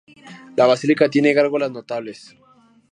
La basílica tiene gárgolas notables.